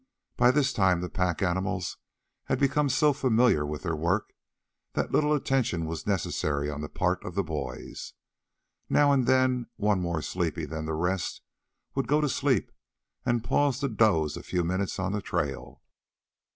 By this time the pack animals had become so familiar with their work that little attention was necessary on the part of the boys. Now and then one more sleepy than the rest would go to sleep and pause to doze a few minutes on the trail.